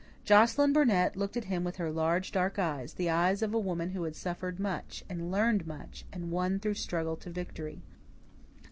Joscelyn Burnett looked at him with her large, dark eyes, the eyes of a woman who had suffered much, and learned much, and won through struggle to victory.